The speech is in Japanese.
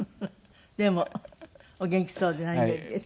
でもお元気そうで何よりです。